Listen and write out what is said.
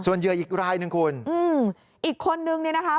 เหยื่ออีกรายหนึ่งคุณอืมอีกคนนึงเนี่ยนะคะ